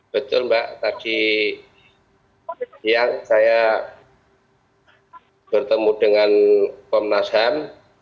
betul mbak tadi siang saya bertemu dengan komnas ham